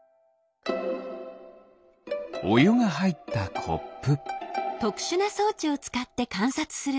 おゆがはいったコップ。